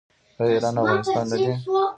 آیا ایران او افغانستان نه دي؟